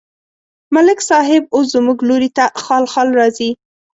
ملک صاحب اوس زموږ لوري ته خال خال راځي.